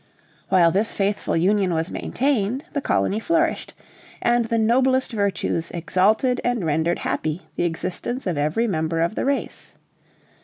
While this faithful union was maintained, the colony flourished; and the noblest virtues exalted and rendered happy the existence of every member of the race.